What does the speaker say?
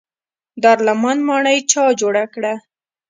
دارالامان ماڼۍ چا جوړه کړه؟